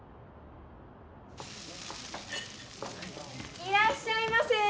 いらっしゃいませ！